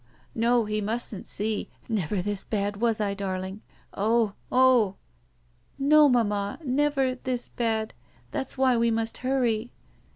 No. He mustn't see. Never this bad — was I, darling? Oh! Oh!" "No, mamma — ^never — ^this bad. That's why we must hurry."